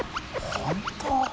本当？